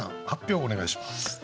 発表をお願いします。